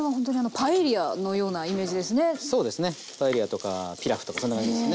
パエリアとかピラフとかそんな感じですね。